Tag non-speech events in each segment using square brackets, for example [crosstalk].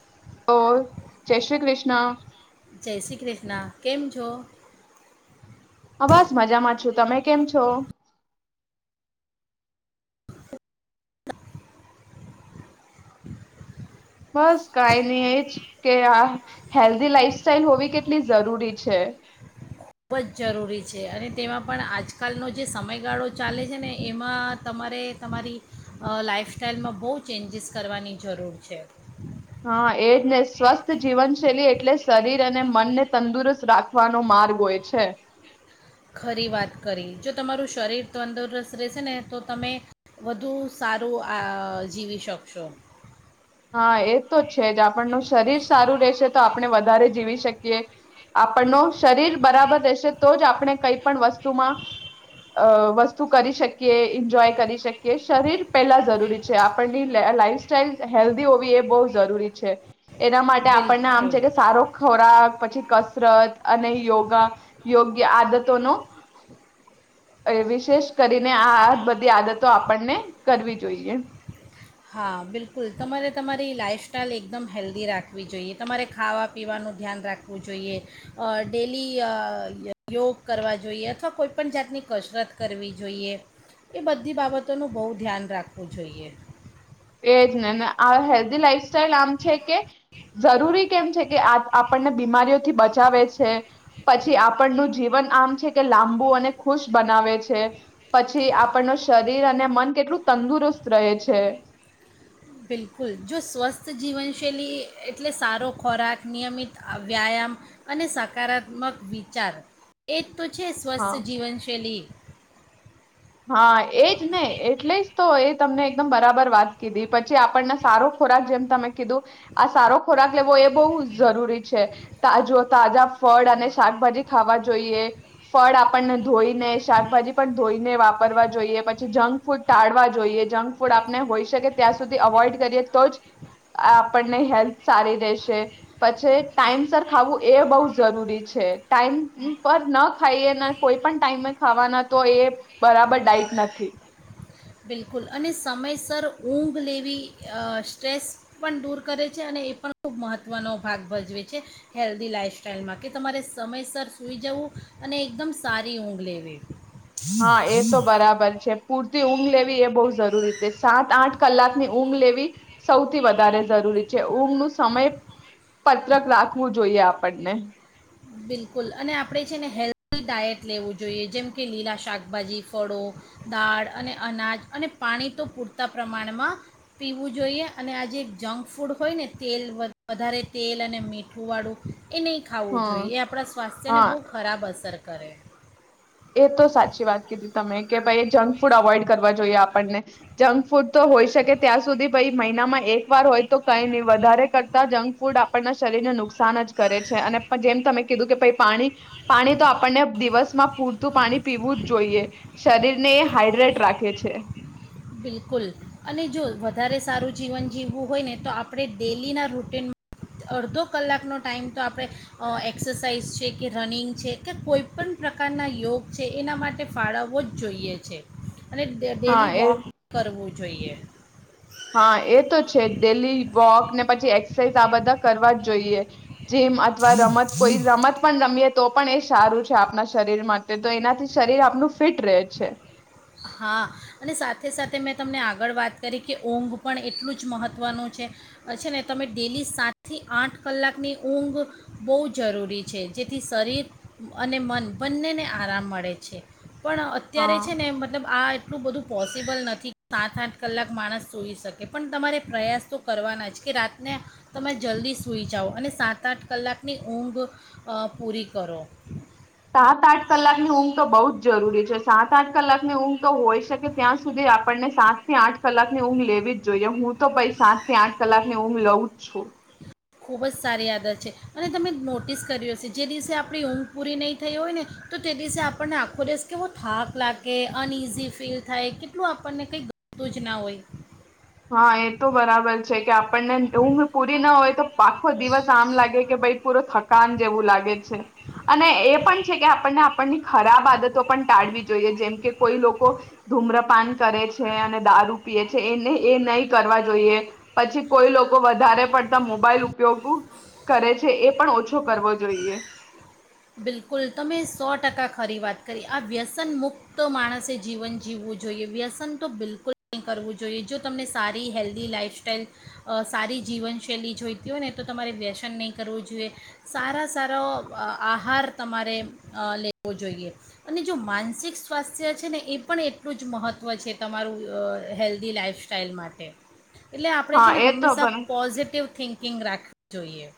[unintelligible] જય શ્રી કૃષ્ણા. જય શ્રી કૃષ્ણ કેમ છો? હા બસ મજામાં છું. તમે કેમ છો? બસ કઈ નહી એજ કે આ હેલ્ધી લાઈફસ્ટાઈલ હોવી કેટલી જરૂરી છે. ખૂબ જ જરૂરી છે અને તેમાં પણ આજકાલનો જે સમયગાળો ચાલે છે ને એમાં તમારે તમારી લાઈફસ્ટાઈલમાં બહુ ચેન્જીસ કરવાની જરૂર છે. હા એજ ને સ્વસ્થ જીવનશૈલી એટલે શરીર અને મનને તંદુરસ્ત રાખ વાનો માર્ગ હોય છે. ખરી વાત કરી જો તમારું શરીર તંદુરસ્ત રહેશે ને તો તમે વધુ સારું આ જીવી શકશો. હા એ તો છે જ આપણ નું શરીર સારું રે છે તો આપણે વધારે જીવી શકીએ આપણ નો શરીર બરાબર રહેશે તો જ આપણે કઈ પણ વસ્તુમાં અ વસ્તુ કરી શકીએ એન્જોય કરી શકીએ શરીર પેલા જરૂરી છે આપણ ની લાઈફ સ્ટાઇલ હેલ્ધી હોવી એ બહુ જરૂરી છે. એના માટે આપણને આમ છે બિલકુલ કે સારો ખોરાક પછી કસરત અને યોગા યોગ્ય આદતો નો વિશેષ કરીને આ બધી આદતો આપણને કરવી જોઈએ. હા બિલકુલ તમારે તમારી લાફસ્ટાઇલ એકદમ હેલ્ધી રાખવી જોઈએ. તમારે ખાવા પીવાનું ધ્યાન રાખવું જોઈએ. અ ડેલી અ યોગ કરવા જોઈએ. અથવા કોઈપણ જાતની કસરત કરવી જોઈએ. એ બધી બાબતોનું બહુ ધ્યાન રાખવું જોઈએ. એજ ને આ હેલ્ધ લાઈફ લ આમ છે કે જરૂરી કેમ છે કે આપણને બીમારીઓથી બચાવે છે પછી આપણનું જીવન આમ છે કે લાંબુ અને ખુશ બનાવે છે પછી આપણનું શરીર અને મન કેટલું તંદુરસ્ત રહે છે. બિલકુલ જો સ્વસ્થ જીવનશૈલી એટલે સારો ખોરાક નિયમિત વ્યાયામ અને સકારાત્મક વિચાર એ તુછી સ્વસ્થ હા જીવન શૈલી હા એજ નહ એટલે જ તો એ તમને એકદમ બરાબર વાત કીધી પછી આપણને સારો ખોરાક જેમ તમે કીધું આ સારો ખોરાક લેવો એ બહુ જરૂરી છે તાજો તાજા ફળ અને શાકભાજી ખાવા જોઈએ ફળ આપણને ધોઈને શાકભાજી પણ ધોઈને વા વાપરવા જોઈએ પછી જંક ફૂડ ટાળવા જોઈએ જંક ફૂડ આપને હોઈ શકે ત્યાં સુધી અવોઈડ કરીએ તો જ આપણને હેલ્થ સારી રહેશે પછી ટાઈમ સર ખાવું એ બહુ જરૂરી છે ટાઈમ પર ન ખાઈએ અને કોઈ પણ ટાઈમે ખાવાના તો એ બરાબર ડાઇટ નથી. બિલકુલ અને સમયસર ઊંઘ લેવી સ્ટ્રેસ પણ દૂર કરે છે અને એ પણ ખૂબ મહત્ત્વનો ભાગ ભજવે છે હેલ્ધી લાઈફસ્ટાઈલમાં કે તમારે સમયસર સુૂઈ જવું અને એકદમ સારી ઊંઘ લેવી. હા એ તો બરાબર છે પૂરતી ઊગલે એ બહુ જરૂરી છે સાત આઠ કલાકની ઊંઘ લેવી સૌથી વધારે જરૂરી છે ઊંઘ નું સમય પત્રક રાખવું જોઈએ આપણને બિલકુલ અને આપણે છે ને હેલ્ધી ડાયટ લેવું જોઈએ જેમ કે લીલા શાકભાજી ફળો દાળ અને અનાજ અને પાણી તો પૂરતા પ્રમાણમાં પીવું જોઈએ અને આ જેે જંક ફૂડ હોય ને તેલ વધારે તેલ અને મીઠુંવાળું એ નહીં ખા હ જોઈએ આપણા સ્વાસ્થ્યને હા બહુ ખરાબ અસર કરે કરે. એ તો સાચી વાત કીધી તમે કે ભાઈ જંક ફૂડ અવોઈડ કરવા જોઈએ આપણને જંક ફૂડ તો હોઈ શકે ત્યાં સુધી ભઈ મહિનામાં એક વાર હોય તો કઈ નહી વધારે કરતા જંક ફૂડ આપણના શરીરને નુકસાન જ કરે છે અને જેમ તમે કીધું કે પાણી પાણી તો આપને દિવસ માં પૂર પાણી પીવું જ જોઈએ શરીરને હાાઈડ્રેટ રાખે છે. બિલકુલ અને જો વધારે સારું જીવન જીવવું હોય ને તો આપણે ડેલીના રૂટન અડધો કલાકનો ટાઈમ તો આપણે એક્સરસાઇઝ છે કે રનિંગ છે કે કોઈપણ પ્રકારના યોગ છે એના માટે ફાળવવો જ જોઈએ છે. અને ડ હા ડેલી એ વોક હોવું જોઈએ હા એ તો છે જ ડેલી વોક ને પછી એક્સરસાઇઝ આ બધા કરવા જ જોઈએ જીમ અથવા રમત કોઈ રમત પણ રમીએ તો પણ એ સારું છે આપણા શરીરમાં તો એનાથી શરીર આપણું ફિટ રહે છે. હા અને સાથે સાથે મેં તમને આગળ વાત કરી કે ઊંઘ પણ એટલું જ મહત્ત્વનું છે છે ને તમે ડેલી સાતથી આઠ કલાકની ઊંઘ બહુ જરૂરી છે જેથી શરીર અને મન બંનેને આરામ મળે છે. પણ અત્યારે હા છે ને એ આ એટલું બધું પોસિબલ નથી સાત આઠ કલાક માણસ સૂઈ શકે પણ તમારે પ્રયાસ તો કરવાના જ કે રાતને તમે જલ્દી સૂઈ જાઓ અને સાત આઠ કલાકની ઊંઘ પૂરી કરો સાત આઠ કલાક ની ઊંઘ તો બહુ જ જરૂરી છે. સાત આઠ કલાકની ઊંઘ તો હોય શકે ત્યાં સુધી આપણને સાત થી આઠ કલાકની ઊંઘ લેવી જ જોઈએ હું તો પછ સાત થી આઠ કલાકની ઊંઘ લઉં જ છું. ખૂબ જ સારી આદત છે અને તમે નોટિસ કર્યો છે જે દિવસે આપણી ઊંઘ પૂરી નહીં થઈ હોય ને તો તે દિવસે આપણને આખો દેશ કેવો થાક લાગે અનઇઝી ફીલ થાય કેટલું આપણને કંઈક ગમતું જ ના હોય હા એ તો બરાબર છે કે આપણને હું પૂરી ના હોય તો આખો દિવસ આમ લાગે કે ભઈ પૂરો થકાન જેવું લાગે છે અને એ પણ છે કે આપણને આપણની ખરાબ આદતો પણ ટાળવી જોઈએ જેમ કે કોઈ લોકો ધૂમ્રપાન કરે છે અને દારૂ પીએ છે એને એ નહી કરવા જોઈએ પછી કોઈ લોકો વધારે પડતા મોબાઈલ ઉપયોગ કરે છે એ પણ ઓછો કરવો જોઈએ. બિલકુલ તમે સો ટકા ખરી વાત કરી આ વ્યસન મુક્ત માણસે જીવન જીવવું જોઈએ વ્યસન તો બિલકુલ નહીં કરવું જોઈએ જો તમને સારી હેલ્ધી લાઇફસ્ટાાઈલ સારી જીવનશૈલી જોઈતી હોય ને તો તમારે વ્યસન નહીં કરવું જોઈએ સારા સારા આહાર તમારે લેવો જોઈએ અને જો માનસિક સ્વાસ્થ્ય છે ને એ પણ એટલું જ મહત્ત્વ છે તમારું હેલ્ધી લાઈફસ્ટાાઈલ માટે એટલે આપણે હા છે ને એ તો હંમેશા પણ પોઝિટિવ થિંક ગ રાખવી જોઈએ.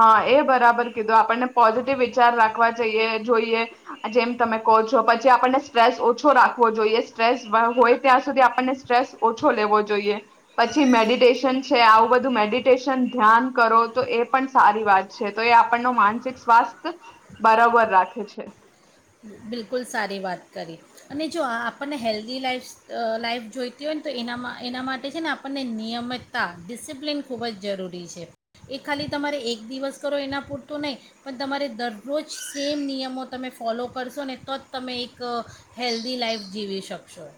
હા એ બરાબર કીધું. અને પોઝીટીવ વિચાર રાખ જઈ જોઈએ જેમ તમે કહો છો પછી આપને સ્ટ્રેસ ઓછો રાખવો જોઈએ સ્ટ્રેસ હોય ત્યાં સુધી આપણને સ્ટ્રેસ ઓછો લેવો જોઈએ પછી મેડિટેશન છે આવું બધું મેડિટેશન ધ્યાન કરો તો એ પણ સારી વાત છે તો એ આપણ ન માનસિક સ્વાસ્થ્ય બરાબર રાખે છે બિલકુલ સારી વાત કરી અને જો આ આપણને હેલ્ધી લાઈફ લાઈફ જોઈતી હોય ને તો એનામાં એના માટે છે ને આપણને નિયમિતતા ડિસિપ્લિન ખૂબ જ જરૂરી છે એ ખાલી તમારે એક દિવસ કરો એના પૂરતું નહીં પણ તમારે દરરોજ સેમ નિયમો તમે ફોલો કરશો ને તો જ તમે એક હેલ્ધી લાાઈફ જીવી શકશો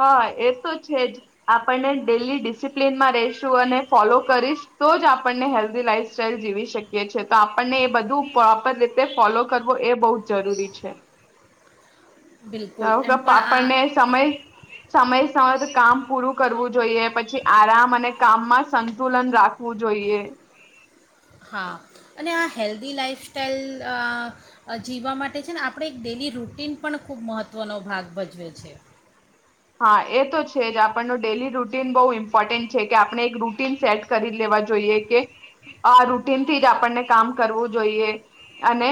હા એ તો છે જ આપણને ડેલી ડિસિપ્લનમાં રહીશું અને ફોલો કરીશ તો જ આપણને હેલ્ધી લાઈફસ્ટાઈલ જીવી શકીએ છ છે તો આપણને એ બધું પ્રોપર રીતે ફોલો કરવો એ બહુ જ જરૂરી છે [inaudible] તો બિલકુલ એમ પણ આ આપણને સમય સમય સમય કામ પૂરું કરવું જોઈએ પછી આરામ અને કામમાં સંતુલન રાખવું જોઈએ હા અને આ હેલ્ધી લાઈફસ્ટાઈલ અ જીવવા માટે છે ને આપણે એક ડેલી રૂટીન પણ ખૂબ મહત્ત્વનો ભાગ ભજવેએ છે હા એ તો છે જ આપણનું ડેલી રૂટીન બહુ ઇમ્પોર્ટન્ટ છે કે આપણે એક રૂટન સેટ કરી લેવા જોઈએ કે આ રૂટનથી જ આપણને કામ કરવું જોઈએ અને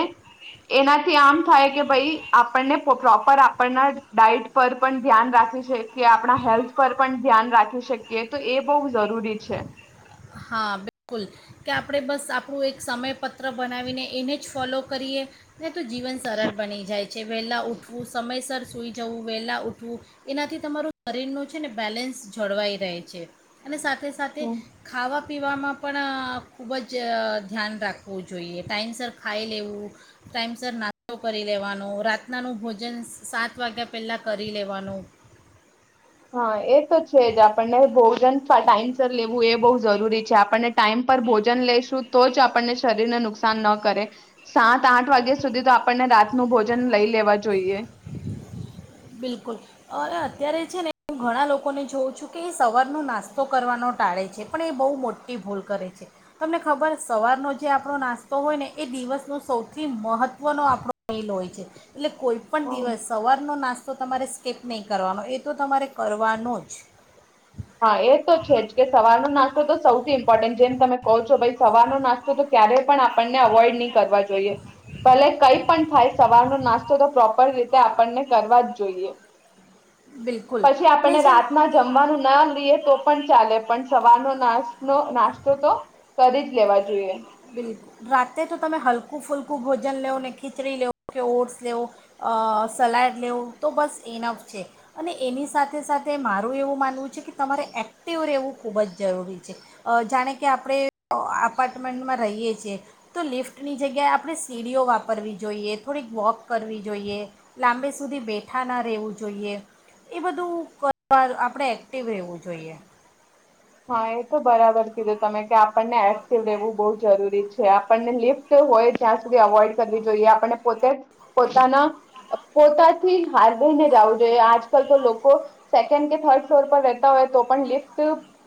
એનાથી આમ થાય કે ભાઈ આપણને પ્રોપર આપણના ડઇટ પર પણ ધ્યાન રાખે હોય છે કે આપણા હેલ્થ પર પણ ધ્યાન રાખી શકીએ તો એ બહુ જરૂરી છે હા બિલકુલ કે આપણે બસ આપણું એક સમયપત્ર બનાવીને એને જ ફોલો કરીએ નાને તો જીવન સરળ બની જાય છે વહેલાં ઉઠવું સમયસર સુઈ જવું વહેલા ઉઠવું એનાથી તમારું શરીરનું છે ને બેલેન્સ જળવાઈ રહે છે અને સાથે સાથે હમ સાથે ખાવા પીવામાં પણ ખૂબ જ ધ્યાન રાખવું જોઈએ ટાઇમ સર ખાઈ લેવું ટાઈમસ નાસ્તો કરી લેવાનો રાતનાનું ભોજન સાત વાગ્યા પહેલાં કરી લેવાનું હા એ તો છે જ આપણને ભોજન ટાઇમ સર લેવું એ બહુ જરૂરી છે આપણને ટાઈમ પર ભોજન લઈશું તો જ આપણને શરીરને નુકસાન ન કરે સાત આઠ વાગ્યા સુધી તો આપણને રાતનું ભોજન લઈ લેવા જોઈએ બિલકુલ અરે અત્યારે છે ને હું ઘણા લોકોને જોઉં છું કે એ સવારનો નાસ્તો કરવાનો ટાળે છે પણ એ બહુ મોટી ભૂલ કરે છે તમને ખબર સવારનો જે આપણો નાસ્તો હોય ને એ દિવસનો સૌથી મહત્વનો આપણોલ હોય છે એટલે પણ દિવસ સવારનો નાસ્તો તો તમારે સ્કીપ નહીં કરવાનો એ તો તમારે કરવાનો જ હા એ તો છે જ કે સવારનો નાસ્તો તો સૌથી ઇમ્પોર્ટન્ટ જેમ તમે કહો છો ભાઈ સવાર નો નાસ્તો તો ક્યારે પણ આપણને અવોઈડ નહીં કરવા જોઈએ ભલે કઈ પણ થાય સવારનો નાસ્તો તો પ્રોપર રીતે આપણને કરવા જ જોઈએ બિલકુલ પછી અને આપણને છે ને રાતમાં જમવાનું તો પણ ચાલે પણ સવારનો ના નાસ્તો તો કરી જ લેવા જોઈએ રાતે તો તમે હલકું ફૂલકું ભોજન લવ ને ખીચડી લેવો કે ઓટ્સ લેવો સલાડ લેવો તો બસ ઇનફ છે અને એની સાથે સાથે મારું એવું માનવું છે કે તમારે એક્ટિવ રહેવું ખૂબ જ જરૂરી છે જાણે કે આપણે આપટ મેન્ટમાં રહીએ છીએ તો લિફ્ટની જગ્યાએ આપણે સીડીઓ વાપરવી જોઈએ થોડીક વોક કરવી જોઈએ લાંબે સુધી બેઠા ના રહેવું જોઈએ એ બધું કરવા આપણે એક્ટિવ રહેવું જોઈએ હા એ તો બરાબર કીધું તમે કે આપણને એક્ટિવ રહેવું બ જરૂરી છે આપણને લિફ્ટ હોય જ્યાં સુધી અવોઈડ કરવી જોઈએ આપણને પોતે પોતાના પોતાથી હાથ ધઈને જાવું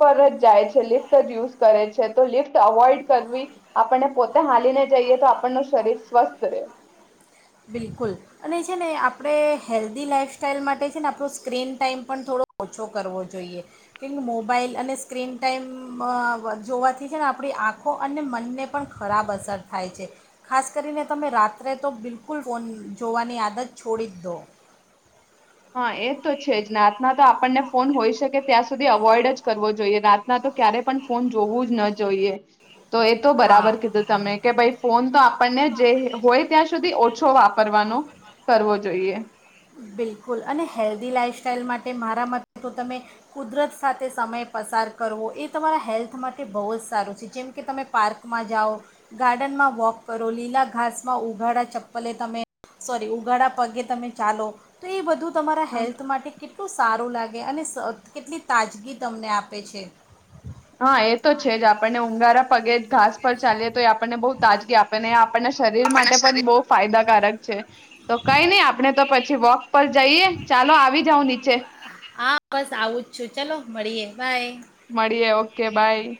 પર જ જાય છે લિફ્ટ જ યુઝ કરે છે તો લિફ્ટ અવોઈડ કરવી આપણને પોતે હાલીને જઈએ તો આપણ ન શરીર સ્વસ્થ રહે. બિલકુલ અને છે ને આપણે હેલ્ધી લાઈફસ્ટાઈલ માટે છે ને આપણો સ્ક્રીન ટાઈમ પણ થોડો ઓછો કરવો જોઈએ કેમ મોબાઈલ અને સ્ક્રીન ટાઈમ જોવાથી છે ને આપણી આંખો અને મનને પણ ખરાબ અસર થાય છે ખાસ કરીને તમે રાત્રે તો બિલકુલ ફોન જોવાની આદત છોડી દો. હા એ તો છે રાતમાં તો આપણને ફોન હોય શકે ત્યાં સુધી અવોઇડ જ કરવો જોઈએ. રા ના તો ક્યારેય પણ ફોન જોવું જ ન જોઈએ. તો એ તો હા બરાબર કીધું તમે કે ભાઈ ફોન તો આપણને જે હોય ત્યાં સુધી ઓછો વાપ કરવાનો કરવો જોઈએ. બિલકુલ અને હેલ્ધી લાઈફસ્ટાાઈલ માટે મારા માટે તો તમે કુદરત સાથે સમય પસાર કરવો એ તમારા હેલ્થ માટે બહુ જ સારું છે. જેમકે તમે પાર્કમાં જાઓ, ગાર્ડનમાં વોક કરો, લીલા ઘાસમાં ઉઘાડા ચપ્પલે તમે સોરી ઉગાડા પગે તમે ચાલો તો એ બધું તમારા હા હેલ્થ માટે કેટલું સારું લાગે. અને કેટલી તાજગી તમને આપે છે. હા એ તો છે જ આપણને ઊગારા પગે ઘાસ પર ચાલીએ તો એ આપણને બહુ તાજગી આપે ને આપણને શરીર માટે આપણના પણ શરીર બહુ ફાયદાકારક છે. તો કઈ નઈ આપણે તો પછી વોક પર જઈએ ચાલો આવી જાવ નીચે. હા બસ આવું જ છું ચલો મળીએ. બાય મળીએે ઓકે બાય.